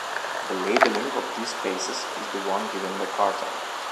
The labelling of these spaces is the one given by Cartan.